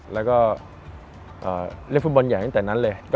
แล้วก็เล่นฟุตบอลใหญ่ตั้งแต่นั้นเลย